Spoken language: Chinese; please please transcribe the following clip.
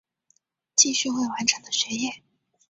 继续未完成的学业